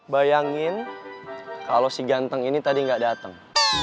bayangin kalau si ganteng ini tadi gak dateng